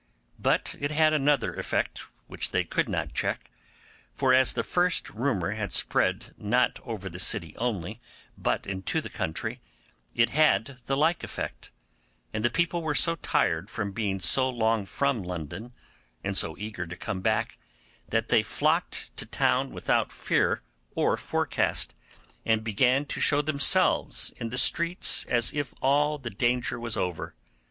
But it had another effect, which they could not check; for as the first rumour had spread not over the city only, but into the country, it had the like effect: and the people were so tired with being so long from London, and so eager to come back, that they flocked to town without fear or forecast, and began to show themselves in the streets as if all the danger was over.